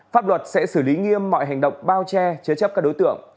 pháp luật sẽ xử lý nghiêm mọi hành động bao che chế chấp các đối tượng